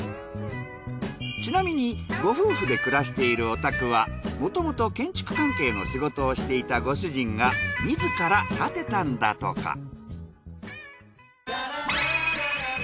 ちなみにご夫婦で暮らしているお宅はもともと建築関係の仕事をしていたご主人が自ら建てたんだとか。